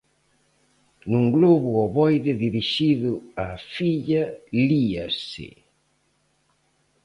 Nun globo ovoide dirixido á filla líase: